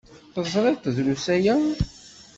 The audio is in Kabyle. Teẓriḍ-t drus aya?